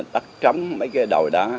tắt trống mấy cái đầu đó